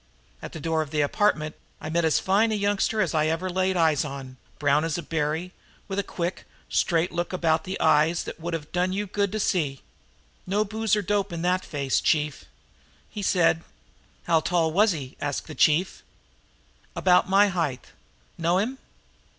"At the door of the apartment I met as fine looking a youngster as I ever laid eyes on, brown as a berry, with a quick, straight look about the eyes that would have done you good to see. No booze or dope in that face, chief. He said " "How tall was he?" asked the chief. "About my height. Know him?"